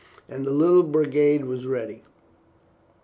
and the little brigade was ready.